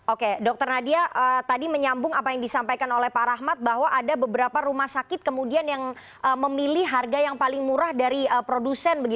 oke dokter nadia tadi menyambung apa yang disampaikan oleh pak rahmat bahwa ada beberapa rumah sakit kemudian yang memilih harga yang paling murah dari produsen